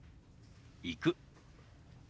「行く」。